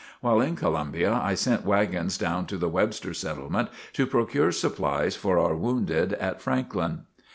While in Columbia I sent wagons down to the Webster settlement to procure supplies for our wounded at Franklin.